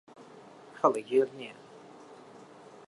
خەڵک گێل نییە.